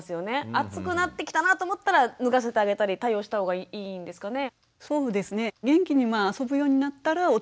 暑くなってきたなと思ったら脱がせてあげたり対応した方がいいんですかね。